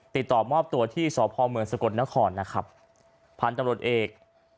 ติดต่อมอบตัวที่สอบภอมเมืองสะกดนครนะครับผ่านตำรวจเอก